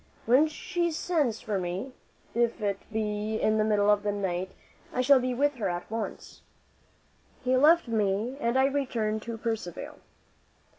When she sends for me, if it be in the middle of the night, I shall be with her at once." He left me and I returned to Percivale.